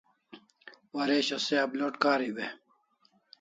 Waresho se upload kariu e?